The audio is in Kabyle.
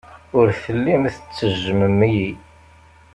Ur tellim tettejjmem-iyi.